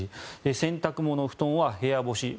洗濯物、布団は部屋干し。